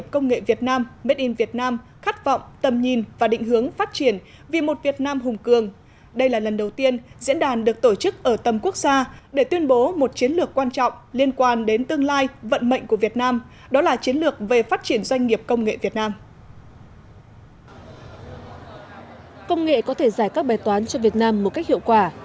công nghệ có thể giải các bài toán cho việt nam một cách hiệu quả